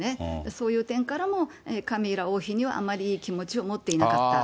そういう点からも、カミラ王妃にはあまりいい気持ちを持っていなかった。